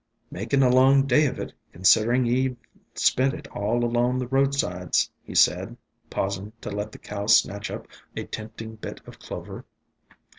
"Makin' a long day of it, considerin' ye 've spent it all along the roadsides," he said, pausing to let the cow snatch up a tempting bit of clover.